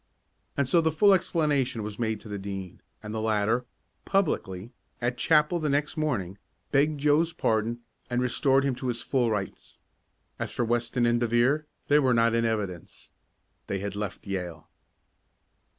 And so the full explanation was made to the Dean, and the latter, publicly, at chapel the next morning, begged Joe's pardon, and restored him to his full rights. As for Weston and De Vere, they were not in evidence. They had left Yale.